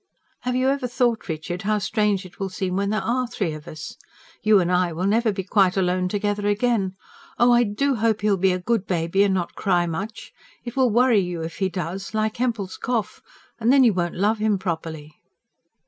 "Have you ever thought, Richard, how strange it will seem when there ARE three of us? You and I will never be quite alone together again. Oh, I do hope he will be a good baby and not cry much. It will worry you if he does like Hempel's cough. And then you won't love him properly."